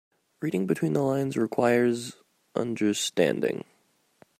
Reading between the lines requires understanding.